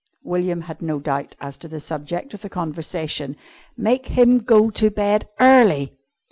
William had no doubt as to the subject of the conversation. _Make him go to bed early!